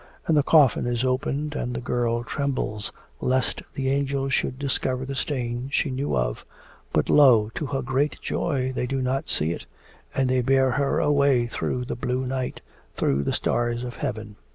And the coffin is opened and the girl trembles lest the angels should discover the stain she knew of. But lo! to her great joy they do not see it, and they bear her away through the blue night, through the stars of heaven.